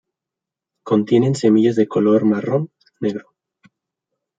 Contienen semillas de color marrón-negro.